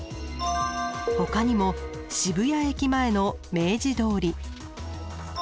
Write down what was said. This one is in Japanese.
ほかにも渋谷駅前の明治通り。